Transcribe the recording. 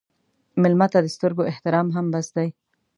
مېلمه ته د سترګو احترام هم بس دی.